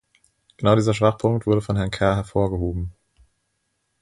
Genau dieser Schwachpunkt wurde von Herrn Kerr hervorgehoben.